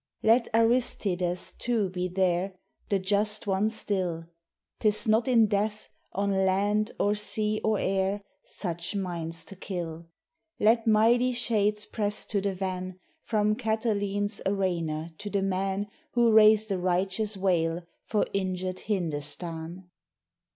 Let Aristides, too, be there The just one still; 'Tis not in Death on land, or sea, or air, Such minds to kill. Let mighty shades press to the van From Cataline's arraigner to the man Who raised a righteous wail for injured Hindostan.